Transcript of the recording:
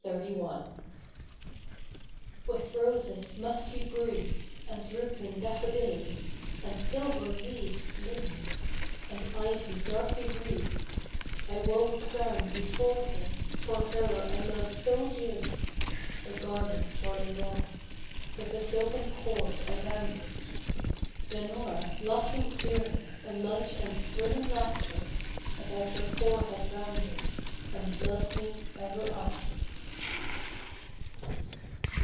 ] With roses musky breathed, And drooping daffodilly, And silverleaved lily, And ivy darkly wreathed, I wove a crown before her, For her I love so dearly, A garland for Lenora. With a silken cord I bound it. Lenora, laughing clearly A light and thrilling laughter, About her forehead wound it, And loved me ever after.